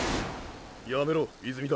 やめろ泉田。